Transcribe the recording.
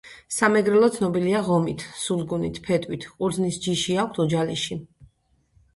სამეგრელო ცნობილია ღომით, სულგუნით, ფეტვით, ყურძნის ჯიში აქვთ ოჯალეში